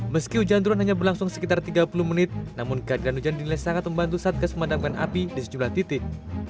meski hujan turun hanya berlangsung sekitar tiga puluh menit namun keadaan hujan dinilai sangat membantu satgas memadamkan api di sejumlah titik